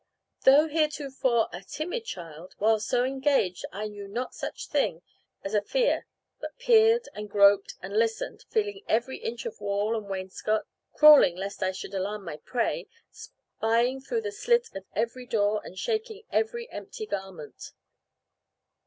Though heretofore a timid child, while so engaged I knew not such a thing as fear; but peered, and groped, and listened, feeling every inch of wall and wainscot, crawling lest I should alarm my prey, spying through the slit of every door, and shaking every empty garment.